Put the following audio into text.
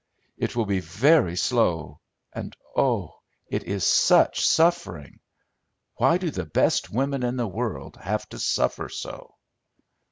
It will be very slow, and oh, it is such suffering! Why do the best women in the world have to suffer so?"